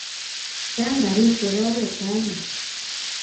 Chang' karisyek oret raini